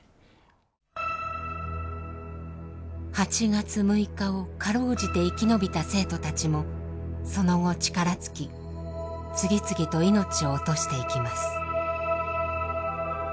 ８月６日を辛うじて生き延びた生徒たちもその後力尽き次々と命を落としていきます。